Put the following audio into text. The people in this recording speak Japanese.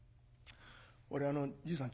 俺あのじいさん